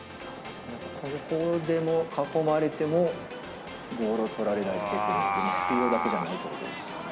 ここで囲まれても、ボールを取られないテクニック、スピードだけじゃないということですよね。